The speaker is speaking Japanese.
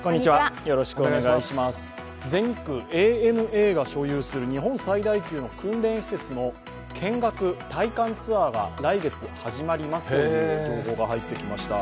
ＡＮＡが所有する訓練施設の見学、体感ツアーが来月始まりますという情報が入ってきました。